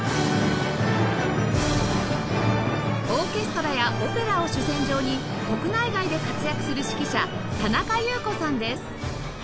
オーケストラやオペラを主戦場に国内外で活躍する指揮者田中祐子さんです